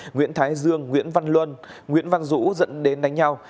nguyễn thái dương nguyễn văn luân nguyễn văn dũ dẫn đến đánh nhau